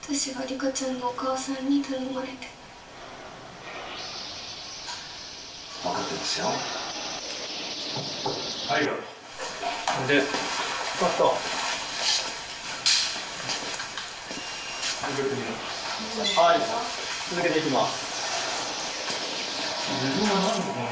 カットはい続けていきます